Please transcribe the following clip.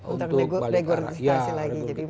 untuk regurgitasi lagi